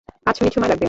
পাঁচ মিনিট সময় লাগবে।